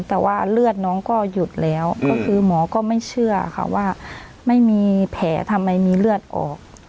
แต่ว่าเลือดน้องก็หยุดแล้วก็คือหมอก็ไม่เชื่อค่ะว่าไม่มีแผลทำไมมีเลือดออก